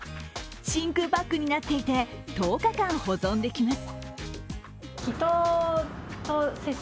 真空パックになっていて１０日間保存できます。